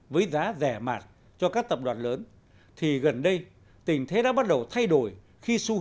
với giá rẻ mạt cho các tập đoàn lớn thì gần đây tình thế đã bắt đầu thay đổi khi xu hướng